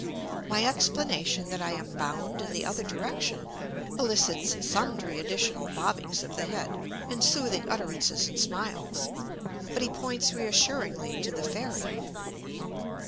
My explanation that I am bound in the other direction elicits sundry additional bobbings of the head and soothing utterances and smiles, but he points reassuringly to the ferry.